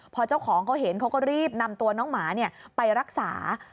พอเจ้าของเขาเห็นเขาก็รีบนำตัวน้องหมาไปรักษา